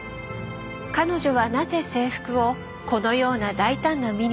彼女はなぜ制服をこのような大胆なミニにしたのか？